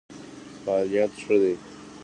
فعالیت ښه دی.